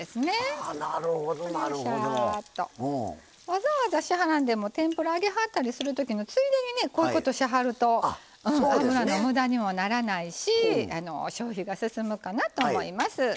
わざわざしはらんでも天ぷら揚げはったりするときのついでにねこういうことしはると油のむだにもならないし消費が進むかなと思います。